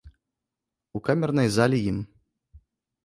У камернай зале ім.